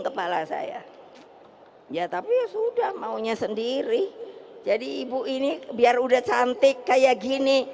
kepala saya ya tapi sudah maunya sendiri jadi ibu ini biar udah cantik kayak gini